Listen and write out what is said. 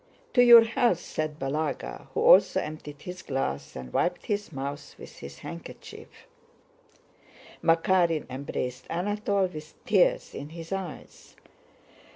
"To your health!" said Balagá who also emptied his glass, and wiped his mouth with his handkerchief. Makárin embraced Anatole with tears in his eyes.